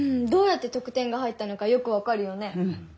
どうやってとく点が入ったのかよくわかるよね。